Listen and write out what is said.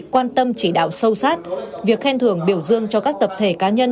quan tâm chỉ đạo sâu sát việc khen thưởng biểu dương cho các tập thể cá nhân